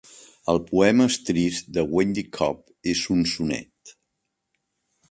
El poema "Stress" de Wendy Cope és un sonet